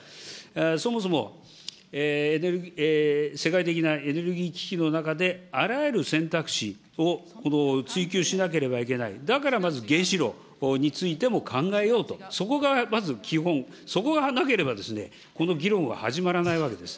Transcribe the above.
そもそも、世界的なエネルギー危機の中で、あらゆる選択肢を追求しなければいけない、だからまず、原子炉についても考えようと、そこがまず基本、そこがなければですね、この議論は始まらないわけです。